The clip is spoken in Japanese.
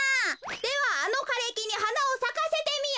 「ではあのかれきにはなをさかせてみよ」。